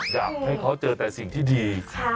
อยากให้เขาเจอแต่สิ่งที่ดี